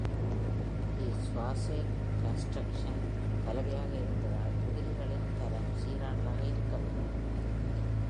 தி சுவாசேட் கன்ஸ்ட்ரக்சன் கலவையாக இருந்ததால், உதிரிகளின் தரம் சீரானதாக இருக்கவில்லை.